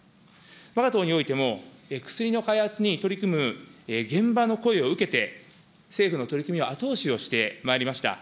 わが党においても、薬の開発に取り組む現場の声を受けて、制度の取り組みを後押しをしてまいりました。